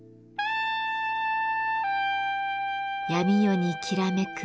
闇夜にきらめく